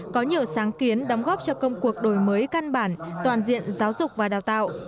có nhiều sáng kiến đóng góp cho công cuộc đổi mới căn bản toàn diện giáo dục và đào tạo